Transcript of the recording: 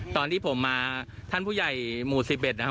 ตอนที่ผมมาท่านผู้ใหญ่หมู่๑๑นะครับ